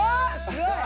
すごい。